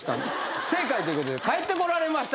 不正解ということで帰ってこられました